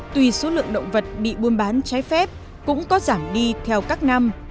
tuy số lượng động vật bị buôn bán trái phép cũng có giảm đi theo các năm